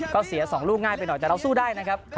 ก็เสีย๒ลูกง่ายไปหน่อยแต่เราสู้ได้นะครับ